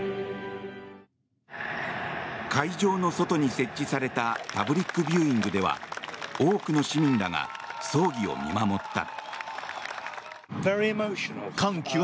会場の外に設置されたパブリックビューイングでは多くの市民らが葬儀を見守った。